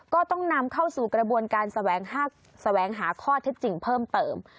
ก็ต้องนำเข้าสู่กระบวนการแสวงหาข้อเท็จจริงเพิ่มเติม